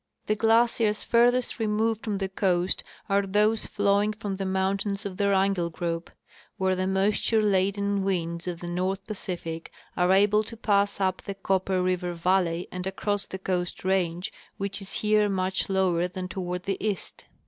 The glaciers farthest removed from the coast are those flowing from the mountains of the Wrangiell group, where the moisture laden winds of the north Pacific are able to pass up the Copper River valley and across the coast range, which is here much lower than toward the east.